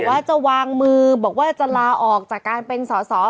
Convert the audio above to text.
บอกว่าจะวางมือจะลาออกจากการเป็นสาว